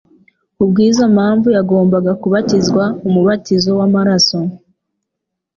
Kubw'izo mpamvu yagombaga kubatizwa umubatizo w'amaraso;